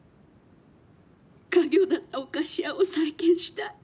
家業だったお菓子屋を再建したい。